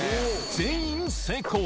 全員成功。